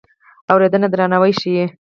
اورېدنه درناوی ښيي.